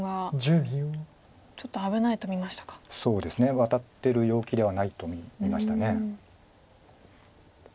ワタってる陽気ではないと見ました。